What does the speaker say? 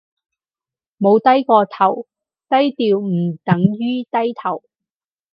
冇低過頭，低調唔等於低頭